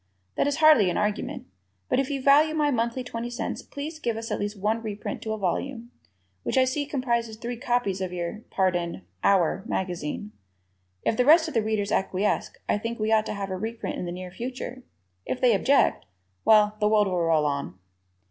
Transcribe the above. That is hardly an argument, but if you value my monthly twenty cents please give us at least one reprint to a volume, which I see comprises three copies of your pardon, "our" magazine. If the rest of the Readers acquiesce I think we ought to have a reprint in the near future. If they object, well, the world will roll on.